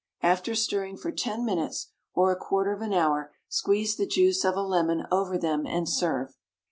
After stirring for ten minutes or a quarter of an hour, squeeze the juice of a lemon over them and serve.